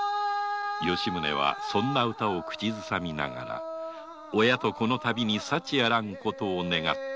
吉宗はそんな歌を口ずさみながら親と子の旅に幸あらん事を願った